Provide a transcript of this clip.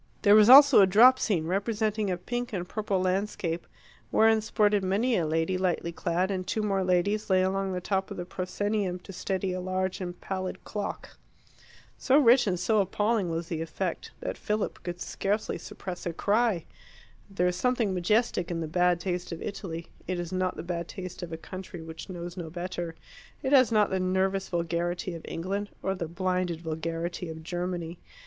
There was also a drop scene, representing a pink and purple landscape, wherein sported many a lady lightly clad, and two more ladies lay along the top of the proscenium to steady a large and pallid clock. So rich and so appalling was the effect, that Philip could scarcely suppress a cry. There is something majestic in the bad taste of Italy; it is not the bad taste of a country which knows no better; it has not the nervous vulgarity of England, or the blinded vulgarity of Germany.